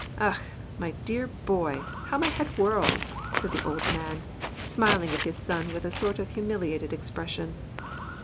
" Akh ! tiy dear boy,t how my head whirls !" said the old man, smiling it his son with a sort of humiliated expression.